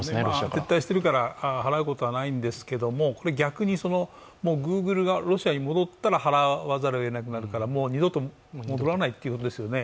撤退しているから払うことはないんですが、逆に、Ｇｏｏｇｌｅがロシアに戻ったら払わなくてはならないのでもう二度と戻らないってことですよね。